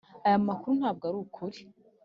aya makuru ntabwo arukuri.